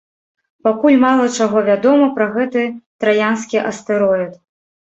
Пакуль мала чаго вядома пра гэты траянскі астэроід.